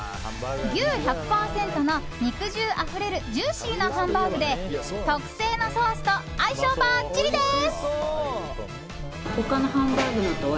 牛１００％の肉汁あふれるジューシーなハンバーグで特製のソースと相性ばっちりです。